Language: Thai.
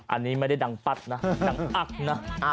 อันนี้ไม่ได้ดังปัดนะดังอักนะ